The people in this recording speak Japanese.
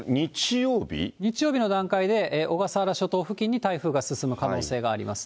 日曜日の段階で小笠原諸島付近に台風が進む可能性がありますね。